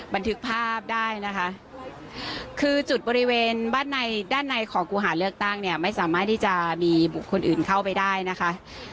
บันทึกภาพได้นะคะคือจุดบริเวณบ้านในด้านในของกูหาเลือกตั้งเนี่ยไม่สามารถที่จะมีบุคคลอื่นเข้าไปได้นะคะ